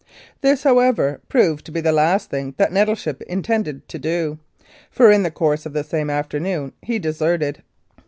This, however, proved to be the last thing that Nettleship intended to do ; for in the course of the same afternoon he deserted.